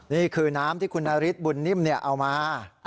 นี่คือน้ำที่คุณนาริสบุญนิ่มเอามา